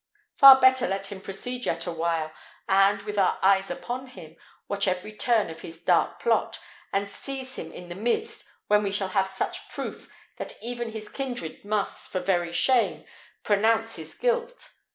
Far better let him proceed yet a while, and, with our eyes upon him, watch every turn of his dark plot, and seize him in the midst, when we shall have such proof that even his kindred must, for very shame, pronounce his guilt.